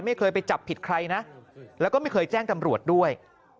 ไม่เคยไปจับผิดใครนะแล้วก็ไม่เคยแจ้งตำรวจด้วย